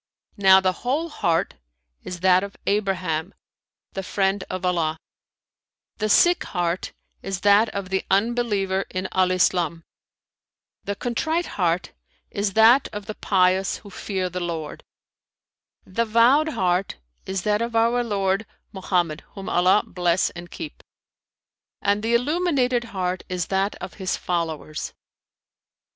Now the whole heart is that of Abraham, the Friend of Allah; the sick heart is that of the Unbeliever in Al Islam; the contrite heart is that of the pious who fear the Lord; the vowed heart is that of our Lord Mohammed (whom Allah bless and keep!) and the illuminated heart is that of his followers.